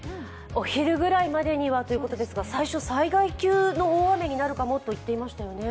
お昼ぐらいまではということですが最初、災害級の大雨になるといわれていましたよね。